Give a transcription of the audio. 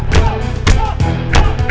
saya mau bicara dengan lo